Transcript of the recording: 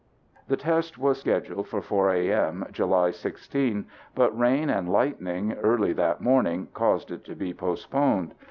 The test was scheduled for 4 a.m. July 16, but rain and lightning early that morning caused it to be postponed.